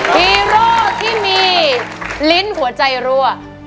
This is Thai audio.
ฮีโร่ที่มีลิ้นหัวใจรั่ว